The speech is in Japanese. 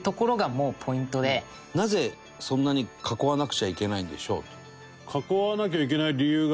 「なぜそんなに囲わなくちゃいけないんでしょう」